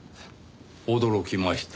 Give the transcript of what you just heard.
驚きました。